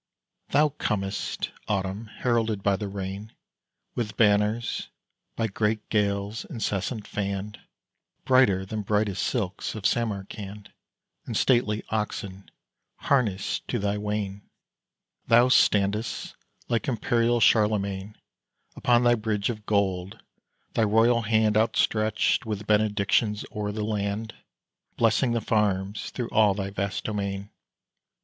Thou comest, Autumn, heralded by the rain, With banners, by great gales incessant fanned, Brighter than brightest silks of Samarcand, And stately oxen harnessed to thy wain! Thou standest, like imperial Charlemagne, Upon thy bridge of gold; thy royal hand Outstretched with benedictions o'er the land, Blessing the farms through all thy vast domain.